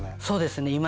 そうですね。